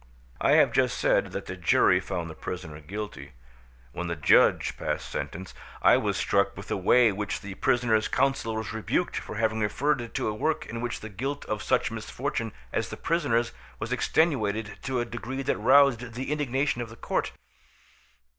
I have just said that the jury found the prisoner guilty. When the judge passed sentence, I was struck with the way in which the prisoner's counsel was rebuked for having referred to a work in which the guilt of such misfortunes as the prisoner's was extenuated to a degree that roused the indignation of the court.